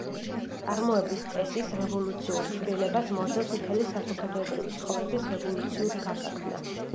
წარმოების წესის რევოლუციურ ცვლილებას მოსდევს მთელი საზოგადოებრივი ცხოვრების რევოლუციური გარდაქმნა.